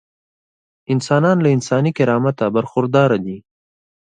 انسانان له انساني کرامته برخورداره دي.